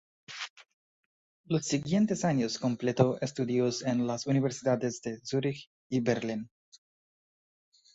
Los siguientes años completó estudios en las universidades de Zurich y Berlín.